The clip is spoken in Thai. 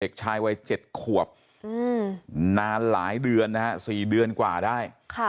เด็กชายวัย๗ขวบนานหลายเดือนนะฮะ๔เดือนกว่าได้